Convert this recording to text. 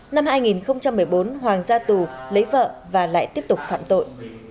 năm hai nghìn một mươi bốn hoàng gia tù lấy vợ và lại tiếp tục phạm tội